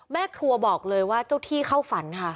แม่ครัวบอกเลยว่าเจ้าที่เข้าฝันค่ะ